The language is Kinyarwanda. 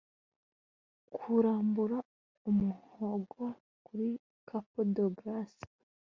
Kurambura umuhogo kuri coup de grace